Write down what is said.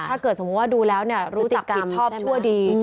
สมมุติว่าดูแล้วรู้จักดีชอบชั่วดี